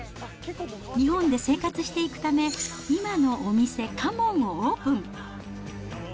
日本で生活していくため、今のお店、花門をオープン。